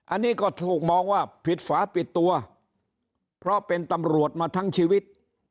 อันนี้ก็ถูกมองว่าผิดฝาปิดตัวเพราะเป็นตำรวจมาทั้งชีวิต